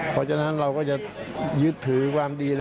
เพราะฉะนั้นเราก็จะยึดถือความดี